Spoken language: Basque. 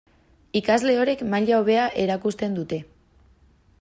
Ikasle horiek maila hobea erakusten dute.